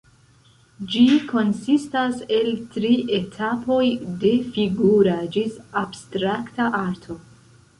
Ĝi konsistas el tri etapoj, de figura ĝis abstrakta arto.